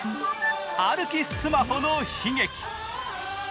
歩きスマホの悲劇。